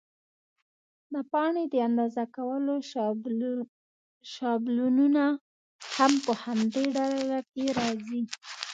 د پاڼې د اندازه کولو شابلونونه هم په همدې ډله کې راځي.